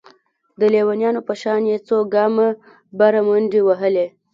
د ليونيانو په شان يې څو ګامه بره منډې وهلې.